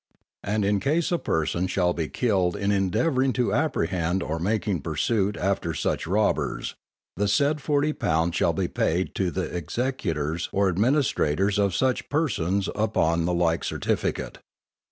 And in case a person shall be killed in endeavouring to apprehend or making pursuit after such robbers, the said forty pounds shall be paid to the executors or administrators of such persons upon the like certificate.